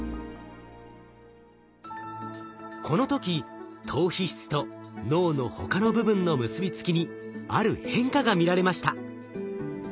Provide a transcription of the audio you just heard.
この時島皮質と脳の他の部分の結びつきにある変化が見られました。